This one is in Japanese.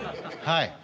はい。